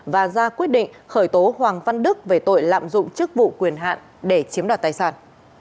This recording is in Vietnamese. và ra quyết định khởi tố hoàng văn đức về tội lạm dụng chức vụ quyền hạn để chiếm đoạt tài sản